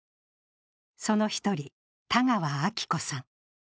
その一人、田川明子さん。